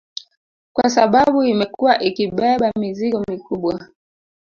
Kwa sababu imekuwa ikibeba mizigo mikubwa